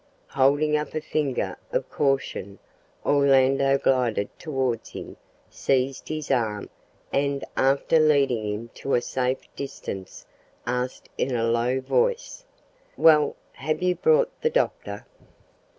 Holding up a finger of caution, Orlando glided towards him, seized his arm, and, after leading him to a safe distance, asked in a low voice "Well, have you brought the doctor?"